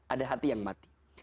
ada hati yang mati